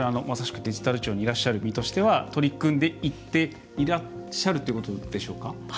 まさしくデジタル庁にいらっしゃる身としては取り組んでいらっしゃるということでしょうか？